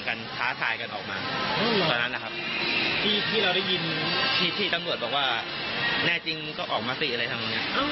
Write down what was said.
อ๋อเหรอคือมันจุดไหนจุดตรงนี้เนี่ย